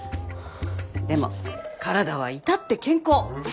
でも体は至って健康。